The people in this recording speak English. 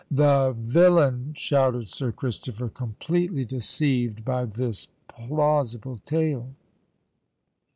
"The villain!" shouted Sir Christopher, completely deceived by this plausible tale.